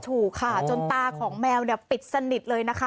ถูกค่ะจนตาของแมวเนี่ยปิดสนิทเลยนะคะ